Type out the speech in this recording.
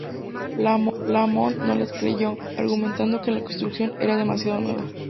Lamont no les creyó, argumentando que la construcción era demasiado nueva.